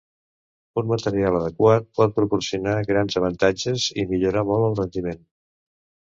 Un material adequat pot proporcionar grans avantatges i millorar molt el rendiment.